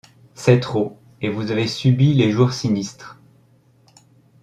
C'est trop, et vous avez subi les jours sinistres.